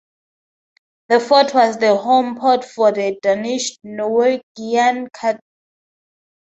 The fort was the home port for the Danish-Norwegian Kattegat squadron.